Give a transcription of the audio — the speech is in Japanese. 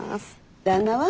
旦那は？